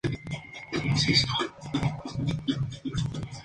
Por ella transitan tanto trenes de alta velocidad como trenes regionales.